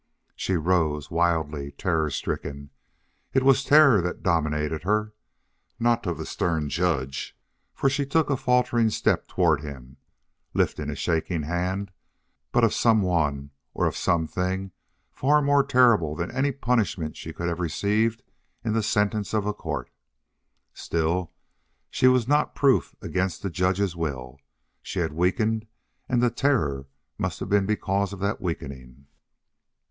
She rose wildly, terror stricken. It was terror that dominated her, not of the stern judge, for she took a faltering step toward him, lifting a shaking hand, but of some one or of some thing far more terrible than any punishment she could have received in the sentence of a court. Still she was not proof against the judge's will. She had weakened, and the terror must have been because of that weakening.